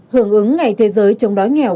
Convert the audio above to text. hưởng ứng ngày thế giới chống đói nghèo